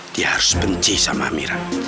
dia harus benci sama amiran